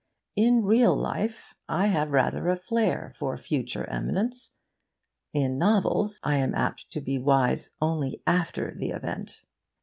In real life I have rather a flair for future eminence. In novels I am apt to be wise only after the event.